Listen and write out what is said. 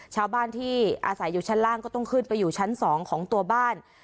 ชาวบ้านที่อาศัยอยู่ชั้นล่างก็ต้องขึ้นไปอยู่ชั้น๒ของตัวบ้าน